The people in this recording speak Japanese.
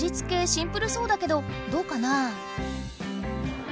シンプルそうだけどどうかなあ？